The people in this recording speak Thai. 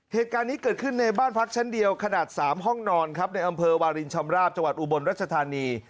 เหตุการณ์นี้เกิดขึ้นในบ้านพักชั้นเดียวขนาด๓ห้องนอนครับในอำเภอวาลินชำราบจังหวัดอุบลรัชธานี